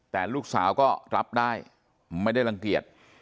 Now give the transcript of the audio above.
แต่ลูกสาวก็รับได้ไม่ได้รังเกียจ